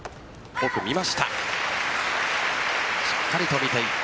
奥、見ました。